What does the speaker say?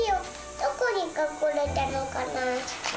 どこに隠れたのかなー。